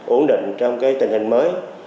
ổn định trong cái tình hình mới